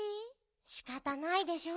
しかたないでしょ。